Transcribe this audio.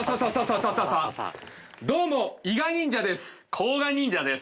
どうも伊賀忍者です。